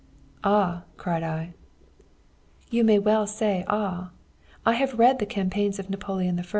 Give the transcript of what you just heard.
"Ah!" cried I. "You may well say 'ah!' I have read the campaigns of Napoleon I.